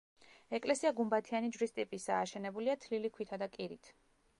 ეკლესია გუმბათიანი ჯვრის ტიპისაა, აშენებულია თლილი ქვითა და კირით.